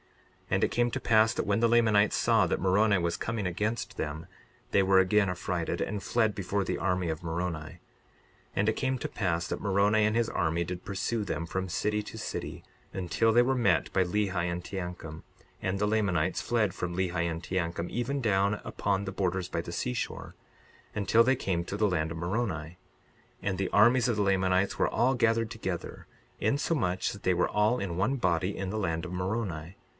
62:31 And it came to pass that when the Lamanites saw that Moroni was coming against them, they were again frightened and fled before the army of Moroni. 62:32 And it came to pass that Moroni and his army did pursue them from city to city, until they were met by Lehi and Teancum; and the Lamanites fled from Lehi and Teancum, even down upon the borders by the seashore, until they came to the land of Moroni. 62:33 And the armies of the Lamanites were all gathered together, insomuch that they were all in one body in the land of Moroni.